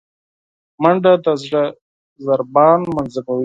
منډه د زړه ضربان منظموي